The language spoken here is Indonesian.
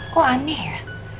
kok aneh ya